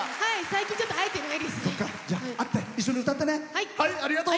最近ちょっと会えてないです。